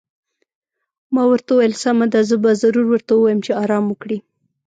ما ورته وویل: سمه ده، زه به ضرور ورته ووایم چې ارام وکړي.